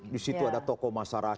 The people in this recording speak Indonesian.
di situ ada tokoh masyarakat